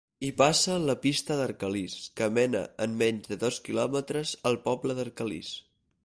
Hi passa la Pista d'Arcalís, que mena en menys de dos quilòmetres al poble d'Arcalís.